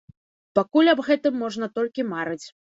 Пакуль аб гэтым можна толькі марыць.